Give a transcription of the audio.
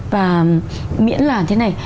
và miễn là thế này